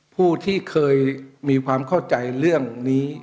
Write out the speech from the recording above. ผู้ที่เคยมีความเข้าใจเรื่องนี้